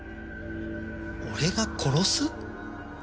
俺が殺す？